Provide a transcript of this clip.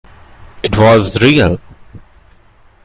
It was real!